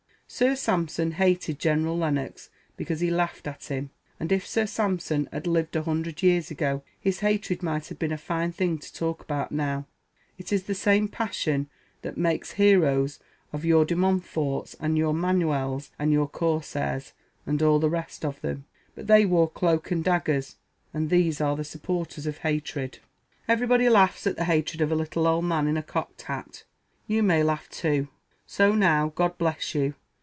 Sir Sampson hated General Lennox because he laughed at him; and if Sir Sampson had lived a hundred years ago, his hatred might have been a fine thing to talk about now. It is the same passion that makes heroes of your De Montforts, and your Manuels, and your Corsairs, and all the rest of them; but they wore cloaks and daggers, and these are the supporters of hatred. Everybody laughs at the hatred of a little old man in a cocked hat. You may laugh too. So now, God bless you!